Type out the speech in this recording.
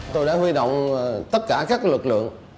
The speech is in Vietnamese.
tôi đã huy động tất cả các lực lượng